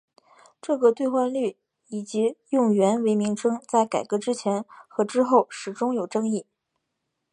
这个兑换率以及使用元为名称在改革之前和之后始终有争议。